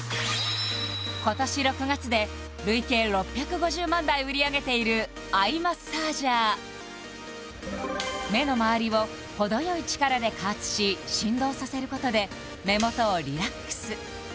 今年６月で累計６５０万台売り上げているアイマッサージャー目の周りをほどよい力で加圧し振動させることで目元をリラックス！